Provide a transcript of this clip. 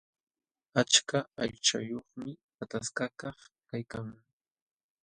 Achka aychayuqmi pataskakaq kaykan.